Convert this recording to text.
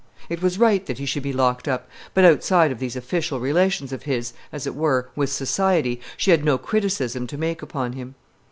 It was right that he should be locked up, but outside of these official relations of his, as it were, with society, she had no criticism to make upon him.